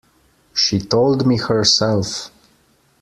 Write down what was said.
She told me herself.